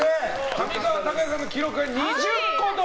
上川隆也さんの記録は２０個！